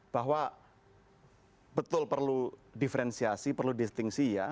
bahwa betul perlu diferensiasi perlu distingsi ya